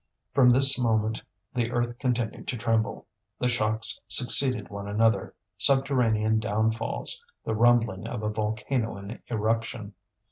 From this moment the earth continued to tremble, the shocks succeeded one another, subterranean downfalls, the rumbling of a volcano in eruption.